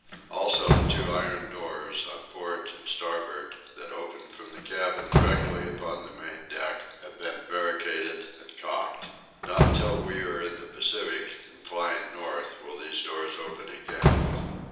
Also, the two iron doors, on port and starboard, that open from the cabin directly upon the main deck, have been barricaded and caulked. Not until we are in the Pacific and flying north will these doors open again.